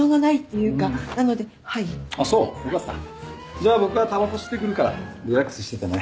じゃあ僕はたばこ吸ってくるからリラックスしててね。